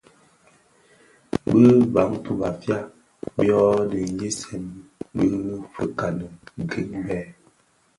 Bi Bantu (Bafia) byodhi bi nyisen bi fikani Greenberg,